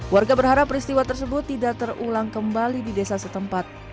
warga berharap peristiwa tersebut tidak terulang kembali di desa setempat